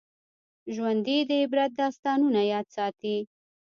ژوندي د عبرت داستانونه یاد ساتي